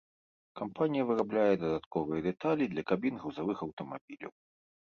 Кампанія вырабляе дадатковыя дэталі для кабін грузавых аўтамабіляў.